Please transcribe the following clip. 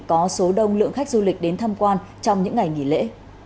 có số đông lượng khách du lịch đến tham quan trong những ngày nghỉ lễ